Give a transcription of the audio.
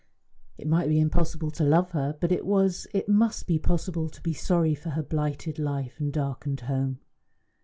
It might be impossible to love her, but it was it must be possible to be sorry for her blighted life and darkened home.